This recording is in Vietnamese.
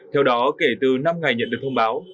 theo đó kể từ năm ngày nhận được thông báo